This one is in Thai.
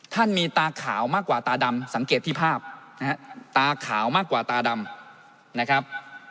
มีตาขาวมากกว่าตาดำสังเกตที่ภาพนะฮะตาขาวมากกว่าตาดำนะครับ